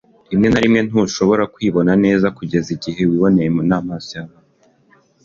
Rimwe na rimwe, ntushobora kwibona neza kugeza igihe wiboneye n'amaso y'abandi.”